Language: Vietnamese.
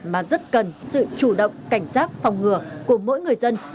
mà rất cần sự chủ động cảnh giác phòng ngừa của mỗi người dân